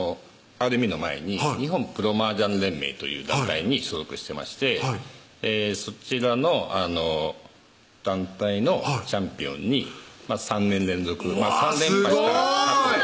ＲＭＵの前に日本プロ麻雀連盟という団体に所属してましてそちらの団体のチャンピオンに３年連続３連覇したすごい！